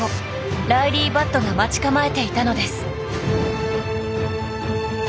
ライリー・バットが待ち構えていたのです。